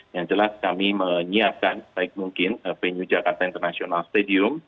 yang jelas kami menyiapkan sebaik mungkin venue jakarta international stadium